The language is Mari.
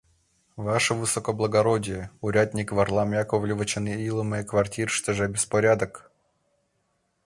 — Ваше высокоблагородие, урядник Варлам Яковлевичын илыме квартирыштыже беспорядок!